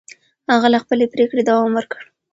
هغه له خپلې پرېکړې دوام ورکړ.